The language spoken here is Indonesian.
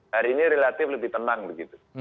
hari ini relatif lebih tenang begitu